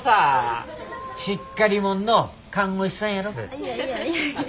いやいやいやいや。